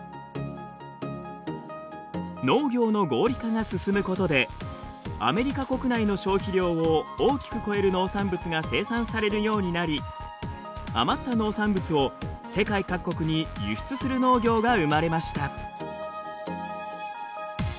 農業の合理化が進むことでアメリカ国内の消費量を大きく超える農産物が生産されるようになり余った農産物を世界各国に輸出する農業が生まれました。